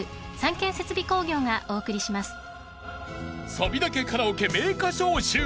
［サビだけカラオケ名歌唱集。